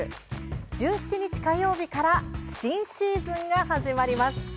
１７日、火曜日から新シーズンが始まります。